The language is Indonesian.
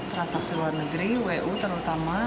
transaksi luar negeri wu terutama